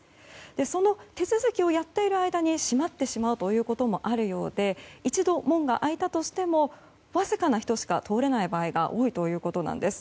その手続きをやっている間に閉まってしまうこともあるようで一度、門が開いたとしてもわずかな人しか通れない場合が多いということです。